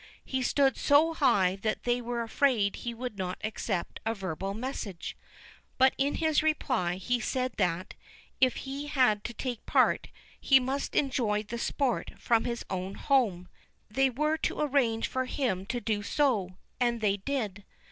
He stood so high that they were afraid he would not accept a verbal message. But in his reply he said that, if he had to take a part, he must enjoy the sport from his own home; they were to arrange for him to do so; and so they did.